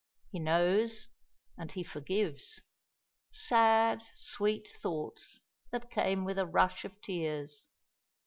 He knows, and he forgives." Sad, sweet thoughts, that came with a rush of tears!